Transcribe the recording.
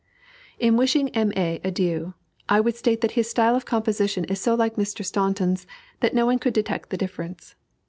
In wishing "M. A." adieu, I would state that his style of composition is so like Mr. Staunton's that no one could detect the difference.